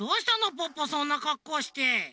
ポッポそんなかっこうして。